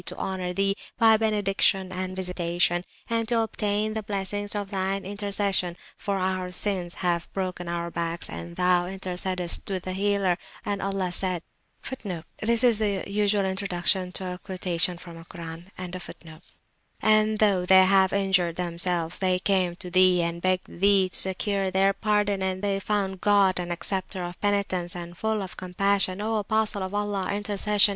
to honour Thee by benediction and visitation), and to obtain the Blessings of Thine Intercession, for our Sins have broken our Backs, and Thou intercedest with the Healer. And Allah said,[FN#34] 'And though they have injured themselves, they came to Thee, and begged Thee to secure their Pardon, and they found God an Acceptor of Penitence, and full of Compassion.' O Apostle of Allah, Intercession!